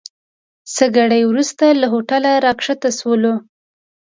څه ګړی وروسته له هوټل راکښته سولو.